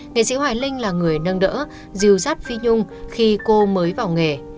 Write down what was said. nghệ sĩ hoài linh là người nâng đỡ dìu dắt phi nhung khi cô mới vào nghề